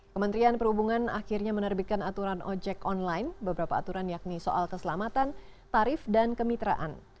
kementerian perhubungan akhirnya menerbitkan aturan ojek online beberapa aturan yakni soal keselamatan tarif dan kemitraan